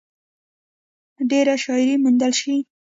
ډېره شاعري موندلے شي ۔